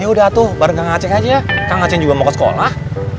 iya kang ya udah tuh barengan ngacek aja ya kang aceh juga mau ke sekolah